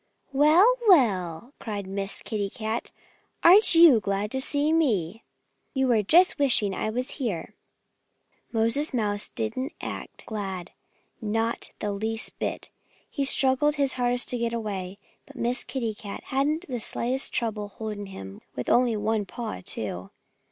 "Well, well!" cried Miss Kitty Cat. "Aren't you glad to see me? You were just wishing I was here." Moses Mouse didn't act glad not the least bit! He struggled his hardest to get away. But Miss Kitty hadn't the slightest trouble holding him, with only one paw, too.